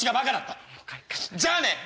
じゃあね！」。